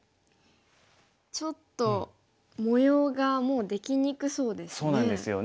ちょっと模様がもうできにくそうですね。